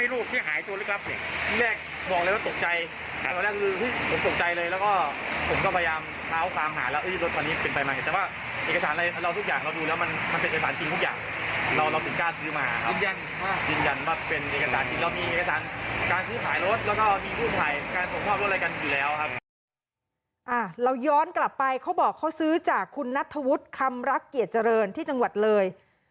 เราย้อนกลับไปเขาบอกเขาซื้อจากคุณนัทธวุฒิคำรักเกียรติเจริญที่จังหวัดเลย